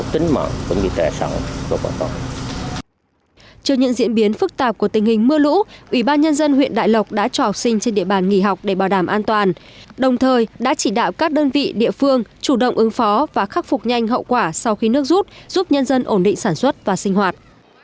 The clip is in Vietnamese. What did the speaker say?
trước những diễn biến phức tạp của tình hình mưa lũ ủy ban nhân dân huyện đại lộc đã cho học sinh trên địa bàn nghỉ học để bảo đảm an toàn đồng thời đã chỉ đạo các đơn vị địa phương chủ động ứng phó và khắc phục nhanh hậu quả sau khi nước rút giúp nhân dân ổn định sản xuất và sinh hoạt